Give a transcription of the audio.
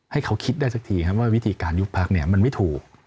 ให้เขาคิดได้สักทีครับว่าวิธีการยุบพักมันไม่ถูก